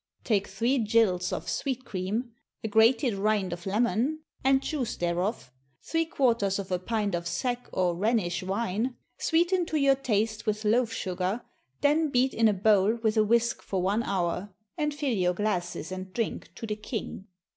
"Take three gills of sweet cream, a grated rind of lemon, and juice thereof, three quarters of a pint of sack or Rhenish wine. Sweeten to your taste with loaf sugar, then beat in a bowl with a whisk for one hour, and fill your glasses and drink to the king."